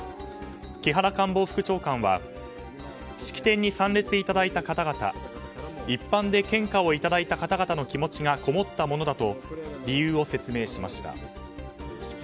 木原官房副長官は式典に参列いただいた方々一般で献花をいただいた方々の気持ちがこもったものだと理由を説明しました。